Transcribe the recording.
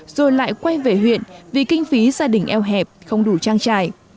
rồi lại quay về huyện vì kinh phí gia đình eo hẹp không đủ trang trải